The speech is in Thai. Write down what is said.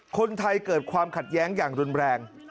คนไทยเกิดความขัดแย้งอย่างรุนแรง